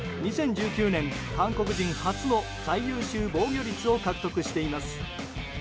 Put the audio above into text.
２０１９年、韓国人初の最優秀防御率を獲得しています。